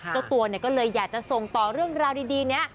เจ้าตัวก็เลยอยากจะส่งต่อเรื่องราวดีนี้